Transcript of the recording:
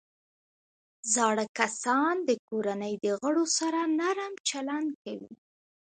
زاړه کسان د کورنۍ د غړو سره نرم چلند کوي